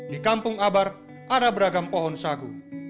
di kampung abar ada beragam pohon sagu